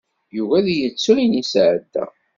Yugi ad yettu ayen yesɛedda.